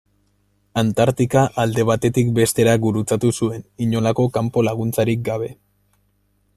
Antartika alde batetik bestera gurutzatu zuen, inolako kanpo laguntzarik gabe.